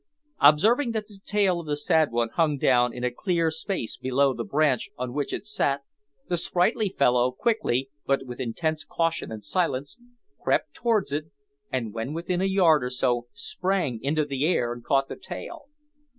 Observing that the tail of the sad one hung down in a clear space below the branch on which it sat, the sprightly fellow quickly, but with intense caution and silence, crept towards it, and when within a yard or so sprang into the air and caught the tail!